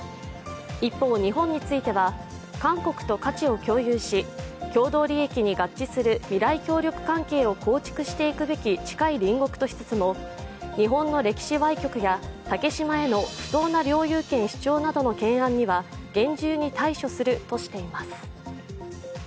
一方、日本については韓国と価値を共有し共同利益に合致する未来協力関係を構築していくべき近い隣国としつつも、日本の歴史わい曲や竹島への不当な領有権主張などの懸案には厳重に対処するとしています。